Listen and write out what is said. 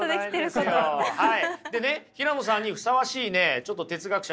でね平野さんにふさわしいねちょっと哲学者